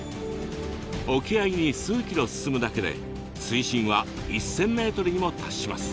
沖合に数ｋｍ進むだけで水深は１，０００ｍにも達します。